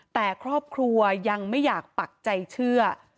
แต่ครอบครัวยังไม่อยากปักใจเชื่อ